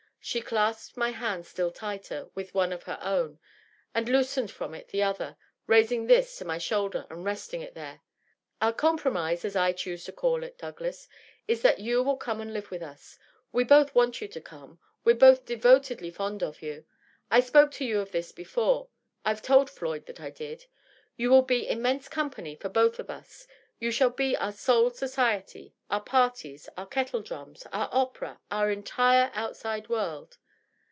She clasped my hand still tighter with one of her own, and loosened from it the other, raising this to my shoulder and resting it there. " Our compromise, as I choose to call it, Douglas, is that you will come and live with us. We both want you to come — we're both devotedly fond of you. I spoke to you of this before — I've told Floyd that I did. You will be immense company for both of us — ^you shall be our sole society, our parties, our kettledrums, our opera, our entire outside world.